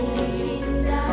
iya saya suka buat